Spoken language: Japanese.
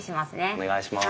お願いします。